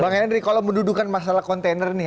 bang henry kalau mendudukan masalah kontainer nih